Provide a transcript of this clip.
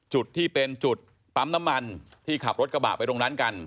จุดที่เป็นจุดปั๊มน้ำมันที่ขับรถกระบะไปตรงนั้นกัน